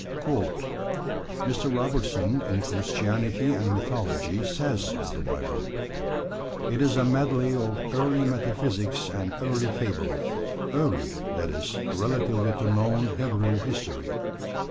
Mr. Robertson, in Christianity and Mythology, says of the Bible: It is a medley of early metaphysics and early fable early, that is, relatively to known Hebrew history.